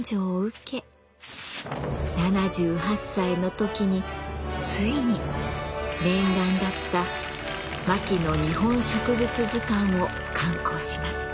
７８歳の時についに念願だった「牧野日本植物図鑑」を刊行します。